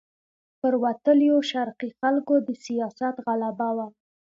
پر وتلیو شرقي خلکو د سیاست غلبه وه.